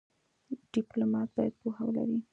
ډيپلومات باید پوهه ولري.